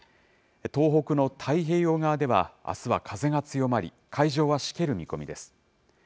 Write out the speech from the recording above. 東北の太平洋側では、あすは風が強まり、海上はしける見込みです。